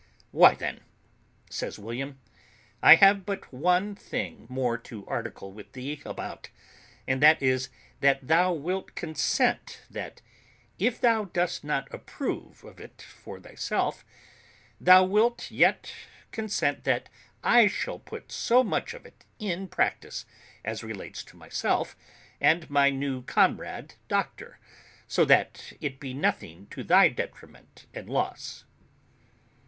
"Why, then," says William, "I have but one thing more to article with thee about, and that is, that thou wilt consent that if thou dost not approve of it for thyself, thou wilt yet consent that I shall put so much of it in practice as relates to myself and my new comrade doctor, so that it be nothing to thy detriment and loss."